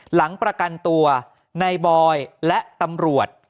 หลังประกันตัวในบอยและตำรวจ